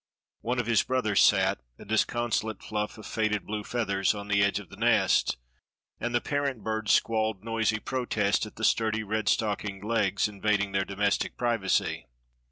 One of his brothers sat, a disconsolate fluff of faded blue feathers, on the edge of the nest, and the parent birds squalled noisy protest at the sturdy, red stockinged legs invading their domestic privacy.